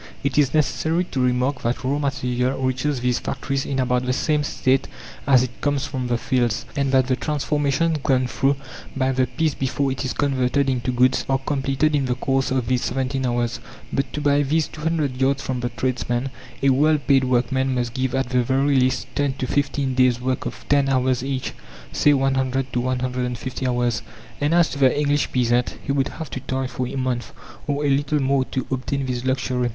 It is necessary to remark that raw material reaches these factories in about the same state as it comes from the fields, and that the transformations gone through by the piece before it is converted into goods are completed in the course of these 17 hours. But to buy these 200 yards from the tradesman, a well paid workman must give at the very least 10 to 15 days' work of 10 hours each, say 100 to 150 hours. And as to the English peasant, he would have to toil for a month, or a little more, to obtain this luxury.